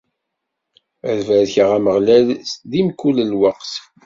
Ad barkeɣ Ameɣlal di mkul lweqt.